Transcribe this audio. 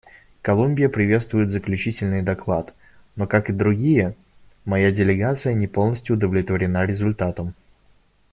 Колумбия приветствует заключительный доклад, но, как и другие, моя делегация не полностью удовлетворена результатом.